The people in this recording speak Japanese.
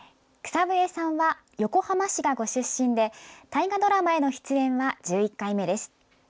草笛さんは横浜市がご出身で大河ドラマへの出演は１１回目です。